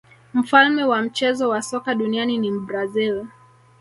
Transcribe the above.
mfalme wa mchezo wa soka duniani ni mbrazil